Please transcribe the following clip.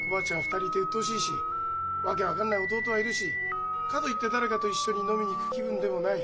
２人いてうっとうしいし訳分かんない弟はいるしかと言って誰かと一緒に飲みに行く気分でもない。